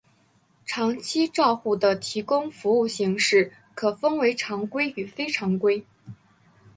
长期照护的提供服务形式可分为常规与非常规。